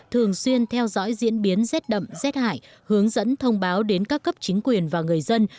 thường xuyên theo dõi diễn biến rét đậm rét hại hướng dẫn thông báo đến các cấp chính quyền và người dân